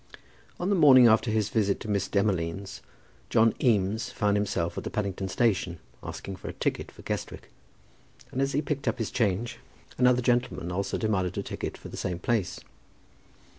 On the morning after his visit to Miss Demolines John Eames found himself at the Paddington Station asking for a ticket for Guestwick, and as he picked up his change another gentleman also demanded a ticket for the same place.